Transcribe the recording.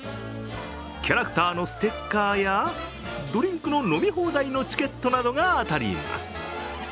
キャラクターのステッカーやドリンクの飲み放題のチケットなどが当たります。